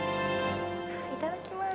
いただきます。